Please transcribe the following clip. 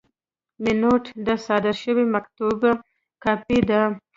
مینوټ د صادر شوي مکتوب کاپي ده.